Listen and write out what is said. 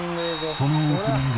そのオープニング。